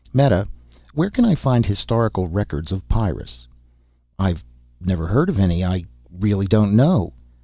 "Meta, where can I find historical records of Pyrrus?" "I've never heard of any ... I really don't know."